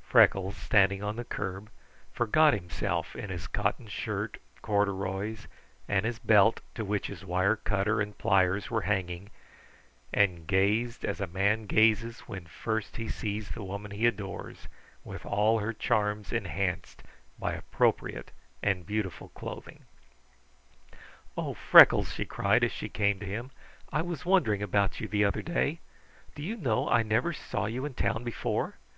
Freckles, standing on the curb, forgot himself in his cotton shirt, corduroys, and his belt to which his wire cutter and pliers were hanging, and gazed as a man gazes when first he sees the woman he adores with all her charms enhanced by appropriate and beautiful clothing. "Oh Freckles," she cried as she came to him. "I was wondering about you the other day. Do you know I never saw you in town before.